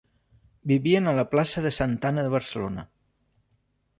Vivien a la plaça de Santa Anna de Barcelona.